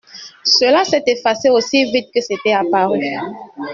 Cela s’est effacé aussi vite que c’était apparu.